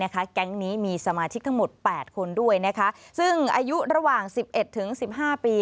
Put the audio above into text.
แก๊งนี้มีสมาชิกทั้งหมด๘คนด้วยซึ่งอายุระหว่าง๑๑๑๕ปี